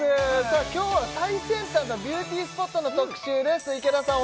今日は最先端のビューティスポットの特集です池田さん